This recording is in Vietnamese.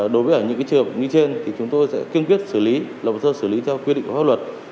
đối với những trường hợp như trên chúng tôi sẽ kiên quyết xử lý lập tức xử lý theo quy định của pháp luật